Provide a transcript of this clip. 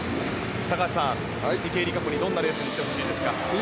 高橋さん、池江璃花子にどんなレースにしてほしいですか？